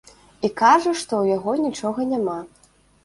І кажа, што ў яго нічога няма.